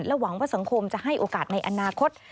หวังว่าสังคมจะให้โอกาสในอนาคต